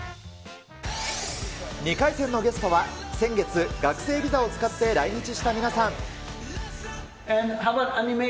２回戦のゲストは、先月、学生ビザを使って来日した皆さん。